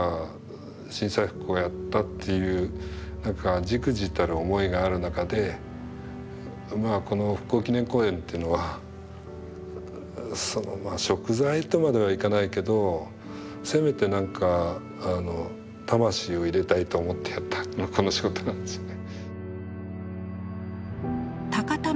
震災復興をやったっていう忸怩たる思いがある中でこの復興記念公園っていうのは贖罪とまではいかないけどせめて何か魂を入れたいと思ってやったのがこの仕事なんですね。